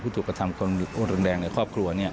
ผู้ถูกกระทำโรงแรงในครอบครัว